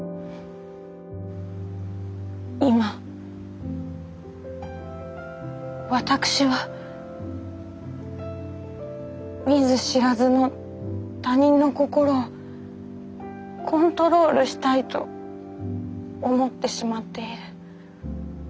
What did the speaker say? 今私は見ず知らずの他人の心をコントロールしたいと思ってしまっている。